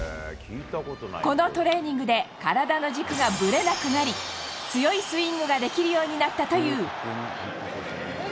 このトレーニングで、体の軸がぶれなくなり、強いスイングができるようになったという。